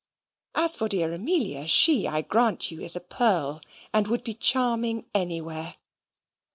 As for dear Amelia, she, I grant you, is a pearl, and would be charming anywhere.